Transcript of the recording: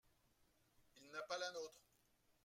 Il n’a pas la nôtre.